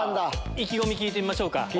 意気込み聞いてみましょうか。